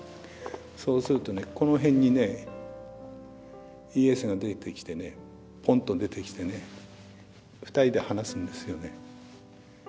そうするとねこの辺にねイエスが出てきてねポンと出てきてね２人で話すんですよね。